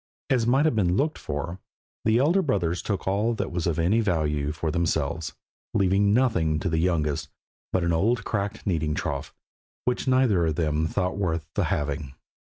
As might have been looked for, the elder brothers took all that was of any value for themselves, leaving nothing to the youngest but an old cracked kneading trough, which neither of them thought worth the having.